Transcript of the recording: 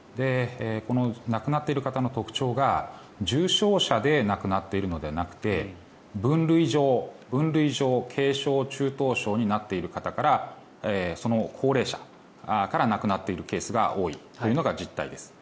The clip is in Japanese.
この亡くなっている方の特徴が重症者で亡くなっているのではなくて分類上、軽症・中等症になっている方からその高齢者から亡くなっているケースが多いというのが実態です。